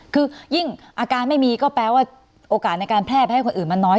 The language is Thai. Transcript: คือยิ่งอาการไม่มีก็แปลว่าโอกาสในการแพร่ไปให้คนอื่นมันน้อย